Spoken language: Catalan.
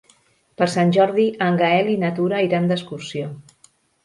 Per Sant Jordi en Gaël i na Tura iran d'excursió.